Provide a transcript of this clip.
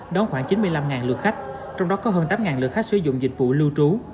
đón khoảng chín mươi năm lượt khách trong đó có hơn tám lượt khách sử dụng dịch vụ lưu trú